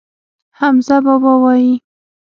حمزه بابا وايي.